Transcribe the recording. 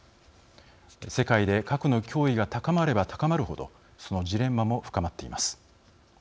世界で核の脅威が高まれば高まる程そのジレンマも深まっています。